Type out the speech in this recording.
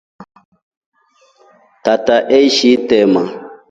Tata eshi itema.